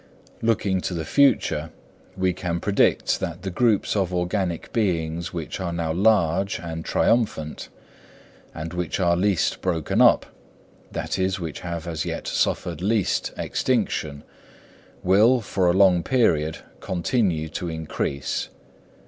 Looking to the future, we can predict that the groups of organic beings which are now large and triumphant, and which are least broken up, that is, which have as yet suffered least extinction, will, for a long period, continue to increase.